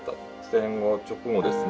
戦後直後ですね。